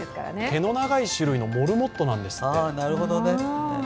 毛の長い種類のモルモットなんですって。